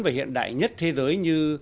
và hiện đại nhất thế giới như